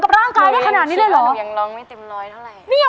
ตราบที่ทุกลมหายใจขึ้นหอดแต่ไอ้นั้น